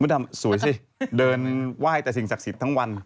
ดำสวยสิเดินไหว้แต่สิ่งศักดิ์สิทธิ์ทั้งวัน